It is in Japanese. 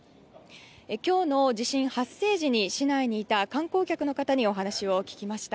今日の地震発生時に市内にいた観光客の方にお話を聞きました。